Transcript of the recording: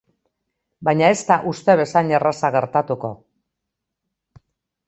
Baina ez da uste bezain erraza gertatuko.